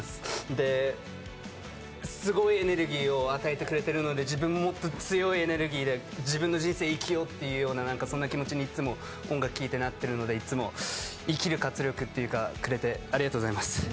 で、すごいエネルギーを与えてくれているので自分ももっと強いエネルギーで自分の人生、生きようというそんな気持ちに音楽聴いて、いっつもなってるのでいっつも生きる活力とかくれてありがとうございます。